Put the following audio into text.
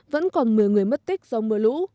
vẫn còn một mươi người mất tích do mưa lũ